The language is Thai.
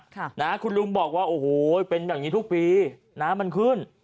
ค่ะนะฮะคุณลุงบอกว่าโอ้โหเป็นแบบนี้ทุกปีน้ำมันขึ้น